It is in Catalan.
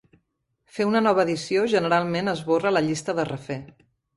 Fer una nova edició generalment esborra la llista de refer.